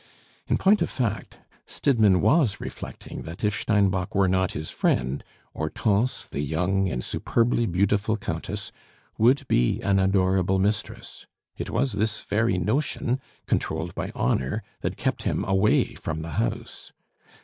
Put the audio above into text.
In point of fact, Stidmann was reflecting that if Steinbock were not his friend, Hortense, the young and superbly beautiful countess, would be an adorable mistress; it was this very notion, controlled by honor, that kept him away from the house.